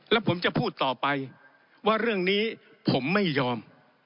แล้วผมจะพูดต่อไปว่าเรื่องนี้ผมไม่ยอม